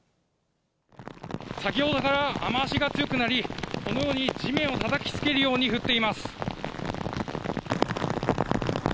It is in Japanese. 先ほどから雨足が強くなり、このように地面をたたきつけるように降っています。